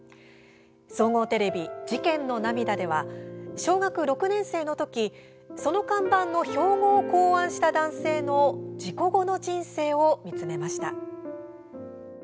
総合テレビ「事件の涙」では小学６年生の時その看板の標語を考案した男性の事故後の人生を見つめました。